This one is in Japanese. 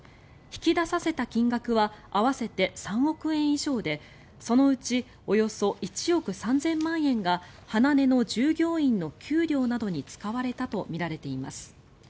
引き出させた金額は合わせて３億円以上でそのうちおよそ１億３０００万円がｈａｎａｎｅの従業員の給料などに使われたとみられています。